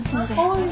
はい。